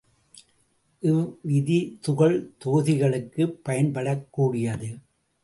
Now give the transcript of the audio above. இவ்விதி துகள் தொகுதிகளுக்குப் பயன்படக்கூடியது.